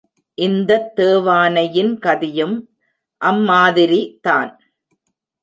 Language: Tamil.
இந்தத் தேவானையின் கதியும் அம்மாதிரிதான்!